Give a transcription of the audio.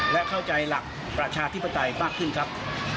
และเข้าใจหลักประชาธิปไตยมากขึ้นครับ